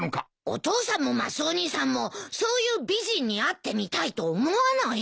お父さんもマスオ兄さんもそういう美人に会ってみたいと思わない？